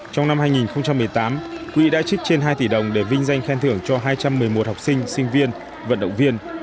trong năm hai nghìn một mươi tám quỹ đã trích trên hai tỷ đồng để vinh danh khen thưởng cho hai trăm một mươi một học sinh sinh viên vận động viên